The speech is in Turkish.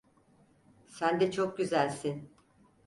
Sen de çok güzelsin.